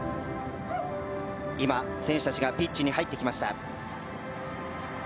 今、選手たちがピッチに入ってきました。